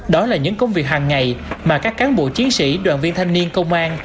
đó là những công việc hàng ngày mà các cán bộ chiến sĩ đoàn viên thanh niên công an